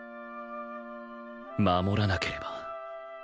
守らなければ